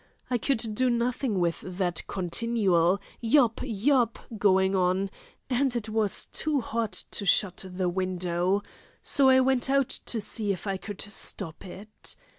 I could do nothing with that continual 'Yap yap!' going on, and it was too hot to shut the window; so I went out to see if I could stop it.